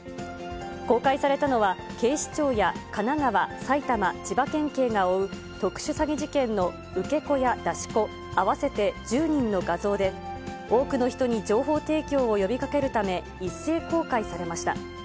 公開されたのは、警視庁や、神奈川、埼玉、千葉県警が追う特殊詐欺事件の受け子や出し子合わせて１０人の画像で、多くの人に情報提供を呼びかけるため、一斉公開されました。